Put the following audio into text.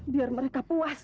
biar mereka puas